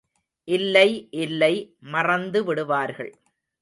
இல்லை இல்லை மறந்துவிடுவார்கள்.